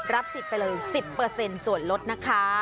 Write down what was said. รับสิทธิ์ไปเลย๑๐เปอร์เซ็นต์ส่วนลดนะคะ